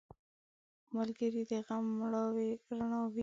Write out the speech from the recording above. ملګری د غم مړاوې رڼا وي